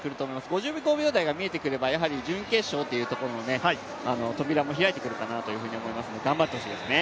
５５秒台が見えてくればやはり準決勝というところの扉も開いてくると思いますので頑張ってほしいですね。